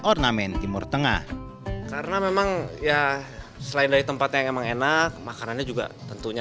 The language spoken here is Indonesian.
ornamen timur tengah karena memang ya selain dari tempat yang emang enak makanannya juga tentunya